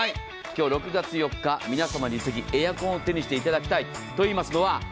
今日６月４日皆様にぜひ、エアコンを手にしていただきたい。